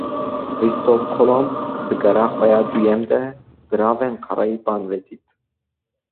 Kristof Kolomb, di gera xwe ya duyem de, Giravên Karayîpan vedît